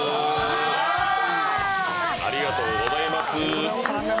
ありがとうございます。